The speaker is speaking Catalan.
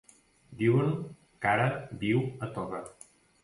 Diuen que ara viu a Toga.